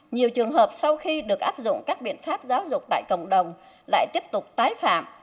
nhiều trường hợp sau khi được áp dụng các biện pháp giáo dục tại cộng đồng lại tiếp tục tái phạm